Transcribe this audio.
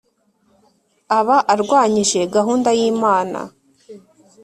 aba arwanyije gahunda y Imana